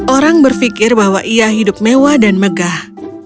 orang berpikir bahwa ia hidup mewah dan megah